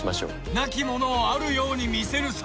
なきものをあるように見せる策。